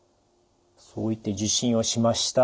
そう言って受診をしました。